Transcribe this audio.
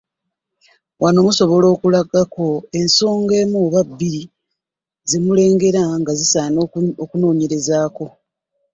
Wano musobola okulagayo ensonga emu oba bbiri ze mulengera nga zisaana okunoonyerezaako. .